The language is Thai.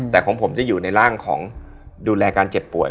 แต่ของผมจะอยู่ในร่างของดูแลการเจ็บป่วย